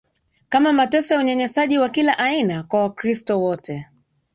kama mateso ya unyanyasaji wa kila aina kwa wakristo wote